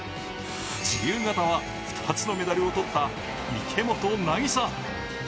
自由形は、２つのメダルを取った池本凪沙。